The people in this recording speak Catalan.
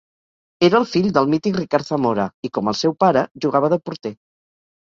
Era el fill del mític Ricard Zamora, i com el seu pare, jugava de porter.